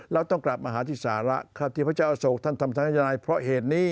เราต้องกลับมาหาที่สาระครับที่พระเจ้าอโศกท่านทำสัญญาณเพราะเหตุนี้